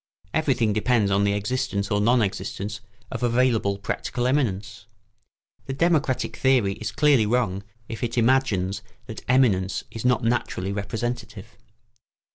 Everything depends on the existence or non existence of available practical eminence. The democratic theory is clearly wrong if it imagines that eminence is not naturally representative.